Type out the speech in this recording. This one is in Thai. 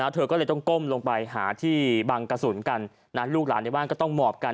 เธอก็เลยต้องก้มลงไปหาที่บังกระสุนกันลูกหลานในบ้านก็ต้องหมอบกัน